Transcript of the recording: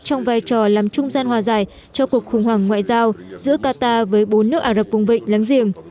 trong vai trò làm trung gian hòa giải cho cuộc khủng hoảng ngoại giao giữa qatar với bốn nước ả rập vùng vịnh láng giềng